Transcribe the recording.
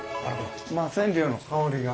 まあ染料の香りが。